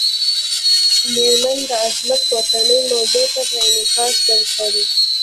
میرمن عظمت پورتنۍ موضوع ته پکې انعکاس ورکړی.